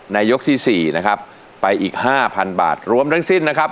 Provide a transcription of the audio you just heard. ยกที่๔นะครับไปอีกห้าพันบาทรวมทั้งสิ้นนะครับ